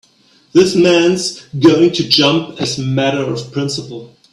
This man's going to jump as a matter of principle.